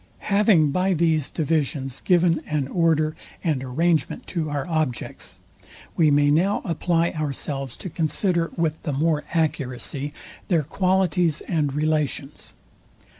Having by these divisions given an order and arrangement to our objects, we may now apply ourselves to consider with the more accuracy their qualities and relations.